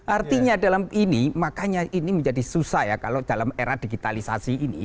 artinya dalam ini makanya ini menjadi susah ya kalau dalam era digitalisasi ini